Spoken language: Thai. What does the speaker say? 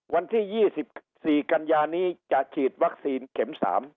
วันที่๒๔กันยานี้จะฉีดวัคซีนเข็ม๓